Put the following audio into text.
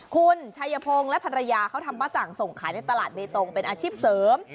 คุณชัยพงศ์และภรรยาเขาทำบ้าจ่างส่งขายในตลาดเบตงเป็นอาชีพเสริม